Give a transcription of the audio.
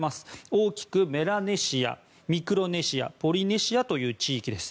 大きくメラネシア、ミクロネシアポリネシアという地域です。